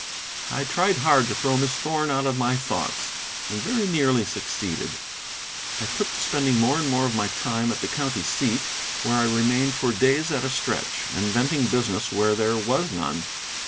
I tried hard to throw Miss Thorn out of my thoughts, and very nearly succeeded. I took to spending more and more of my time at the county seat, where I remained for days at a stretch, inventing business when there was none.